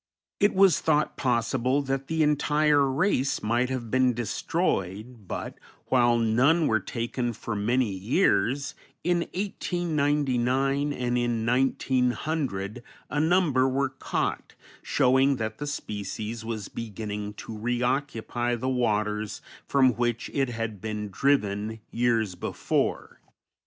It was thought possible that the entire race might have been destroyed, but, while none were taken for many years, in 1899 and in 1900 a number were caught, showing that the species was beginning to reoccupy the waters from which it had been driven years before.